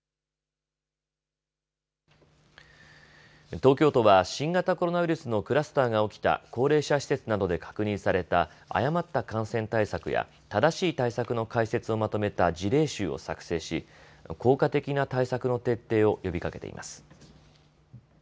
東京都は新型コロナウイルスのクラスターが起きた高齢者施設などで確認された誤った感染対策や正しい対策の解説をまとめた事例集を作成し効果的な対策の徹底を呼びかけています。